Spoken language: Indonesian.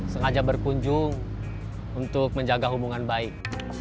sengaja berkunjung untuk menjaga hubungan baik